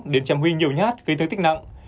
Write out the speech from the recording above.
đến trăm huy nhiều nhát gây thương tích nặng